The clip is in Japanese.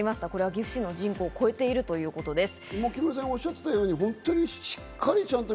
岐阜市の人口を超えているということです。